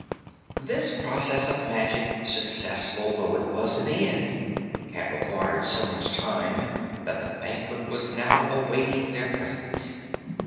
This process of magic, successful though it was in the end, had required so much time that the banquet was now awaiting their presence.